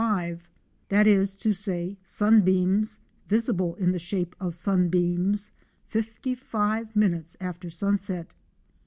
45, thatis to say, sunbeams, visible in the shape of sunbeams, 55 minutes after sunset.